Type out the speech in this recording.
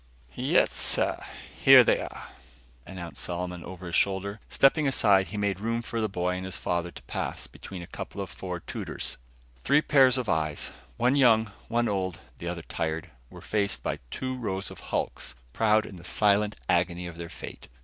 "Yes, sir, here they are," announced Solomon over his shoulder. Stepping aside he made room for the boy and his father to pass, between a couple of Ford Tudors. Three pair of eyes, one young, one old, the other tired, were faced by two rows of hulks, proud in the silent agony of their fate.